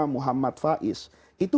bernama muhammad faiz itu